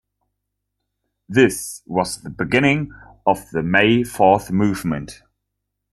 This was the beginning of the May Fourth Movement.